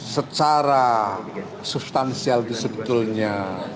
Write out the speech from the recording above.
secara substansial itu sebetulnya